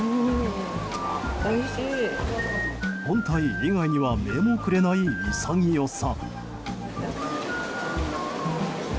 本体以外は目もくれない潔さ。